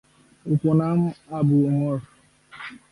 উপনাম: আবু ওমর।